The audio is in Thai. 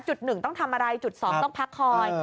๑ต้องทำอะไรจุด๒ต้องพักคอย